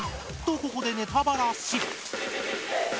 ここでネタバラシ